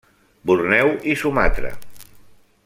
Borneo i Sumatra.